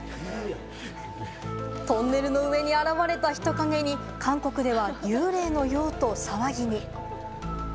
トンネルの上に現れた人影に、韓国では幽霊のようと騒ぎに。